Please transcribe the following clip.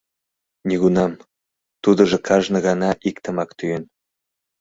— Нигунам... — тудыжо кажне гана иктымак тӱен...